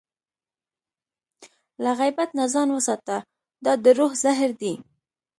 له غیبت نه ځان وساته، دا د روح زهر دی.